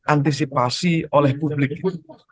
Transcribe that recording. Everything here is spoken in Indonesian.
antisipasi oleh publik itu